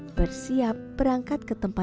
sudah siap untuk menjualnya